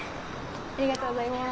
ありがとうございます。